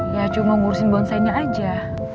ya cuma ngurusin bonsainya aja